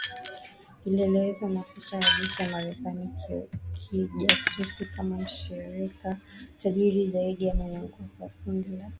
Ilielezewa na maafisa wa jeshi la Marekani na kijasusi kama mshirika tajiri zaidi na mwenye nguvu wa kundi la kigaidi